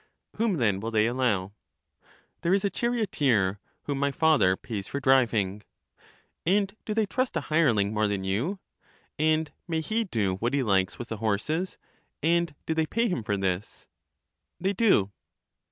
Whom then will they allow? There is a charioteer, whom my father pays for driving. And do they trust a hireling more than you? and may he do what he likes with the horses ? and do they pay him for this? They do.